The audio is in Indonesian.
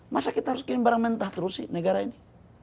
masa kita harus kirim barang mentah terus sih negara ini